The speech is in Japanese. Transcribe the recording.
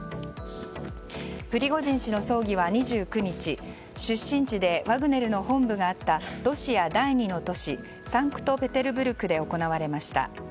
プリゴジン氏の葬儀は２９日出身地でワグネルの本部があったロシア第２の都市サンクトペテルブルグで行われました。